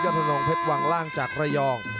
ยอดธนงเผ็ดวังล่างจากระยอง